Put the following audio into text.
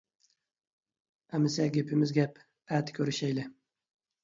ئەمىسە گېپىمىز گەپ. ئەتە كۆرۈشەيلى.